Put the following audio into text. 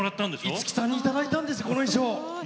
五木さんにいただいたんですこの衣装！